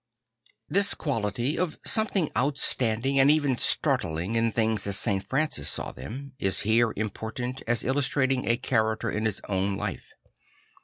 This quality, of something outstanding and even startling in things as St. Francis saw them, is here important as illustrating a character in his own life.